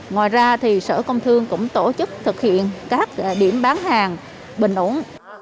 ngoài ra thì sở công thương cũng tổ chức thực hiện các điểm bán hàng bình ổn